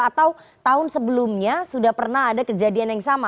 atau tahun sebelumnya sudah pernah ada kejadian yang sama